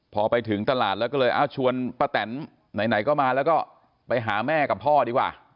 พอไปถึงตลาดแล้วก็เลยชวนป้าแตนไหนก็มาแล้วก็ไปหาแม่กับพ่อดีกว่า